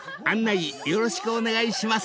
案内よろしくお願いします］